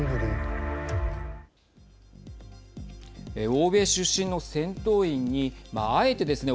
欧米出身の戦闘員にあえてですね